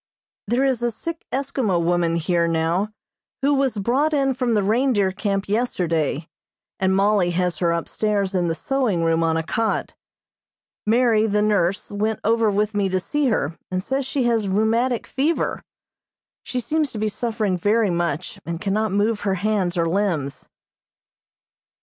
There is a sick Eskimo woman here now who was brought in from the reindeer camp yesterday, and Mollie has her upstairs in the sewing room on a cot. Mary, the nurse, went over with me to see her, and says she has rheumatic fever. She seems to be suffering very much, and cannot move her hands or limbs.